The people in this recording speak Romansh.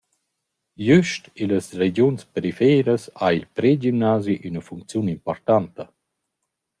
Güst illas regiuns periferas ha il pregimnasi üna funcziun importanta.